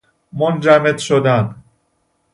منجمد شدن